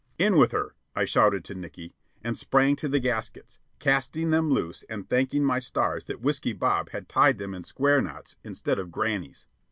"In with her!" I shouted to Nickey, and sprang to the gaskets, casting them loose and thanking my stars that Whiskey Bob had tied them in square knots instead of "grannies."